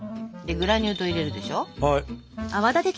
でグラニュー糖入れるでしょ。